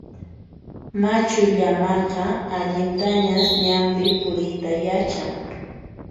Machu llamaqa allintañas ñanpi puriyta yachan.